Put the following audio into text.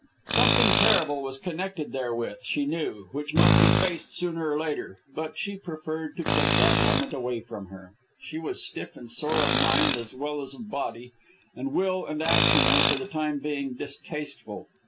Something terrible was connected therewith, she knew, which must be faced sooner or later; but she preferred to put that moment away from her. She was stiff and sore of mind as well as of body, and will and action were for the time being distasteful.